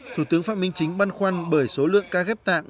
thủ tướng phạm minh chính băn khoăn bởi số lượng ca ghép tạng